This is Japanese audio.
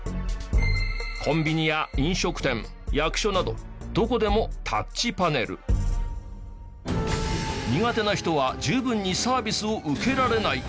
コンビニや飲食店役所などどこでも苦手な人は十分にサービスを受けられない。